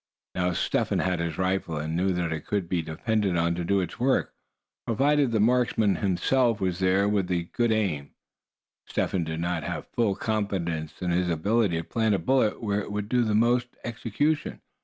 Now, Step Hen had his rifle, and knew that it could be depended on to do its work, provided the marksman himself was there with the good aim. Step Hen did not have full confidence in his ability to plant a bullet where it would do the most execution.